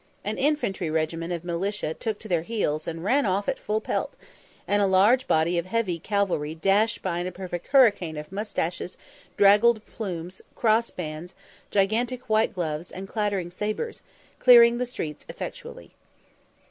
An infantry regiment of militia took to their heels and ran off at full pelt, and a large body of heavy cavalry dashed by in a perfect hurricane of moustaches, draggled plumes, cross bands, gigantic white gloves, and clattering sabres, clearing the streets effectually.